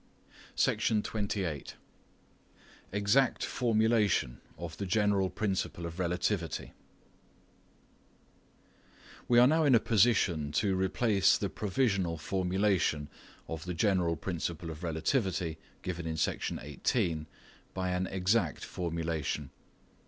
EXACT FORMULATION OF THE GENERAL PRINCIPLE OF RELATIVITY We are now in a position to replace the pro. visional formulation of the general principle of relativity given in Section 18 by an exact formulation.